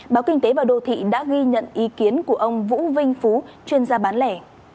báo kinh tế và đô thị đã ghi nhận ý kiến của ông vũ vinh phú chuyên gia bán lẻ